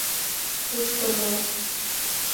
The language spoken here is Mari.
Тушто мо?